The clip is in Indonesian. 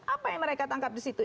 apa yang mereka tangkap di situ